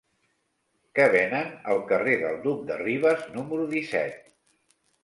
Què venen al carrer del Duc de Rivas número disset?